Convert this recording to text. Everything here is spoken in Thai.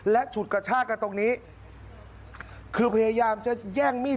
และฉุดกระชากันตรงนี้คือพยายามจะแย่งมีด